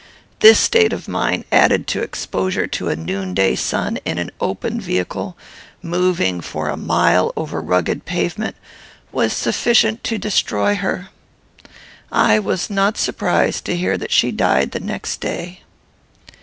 This state of mind, added to exposure to a noonday sun, in an open vehicle, moving, for a mile, over a rugged pavement, was sufficient to destroy her. I was not surprised to hear that she died the next day.